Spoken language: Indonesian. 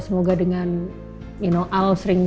semoga dengan you know al sering berharap